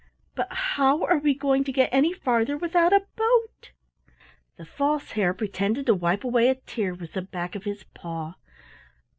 But how are we going to get any farther without a boat?" The False Hare pretended to wipe away a tear with the back of his paw.